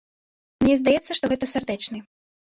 Мне здаецца, што гэта сардэчны.